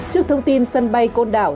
trước thông tin sân bay côn đảo